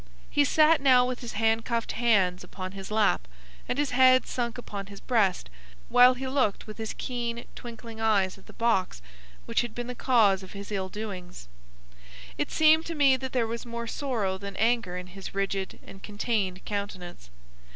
He sat now with his handcuffed hands upon his lap, and his head sunk upon his breast, while he looked with his keen, twinkling eyes at the box which had been the cause of his ill doings. It seemed to me that there was more sorrow than anger in his rigid and contained countenance.